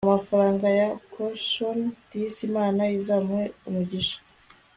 amafaranga ya caution disi imana izamuhe umugisha